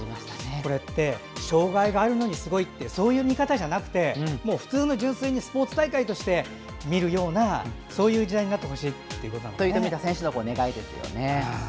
これって障がいがあるのにすごいってそういう見方じゃなくて普通の純粋にスポーツ大会としてみるようなそういう時代になってほしいということなんですね。という富田選手の願いですよね。